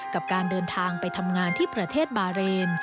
กับการเดินทางไปทำงานที่ประเทศบาเรน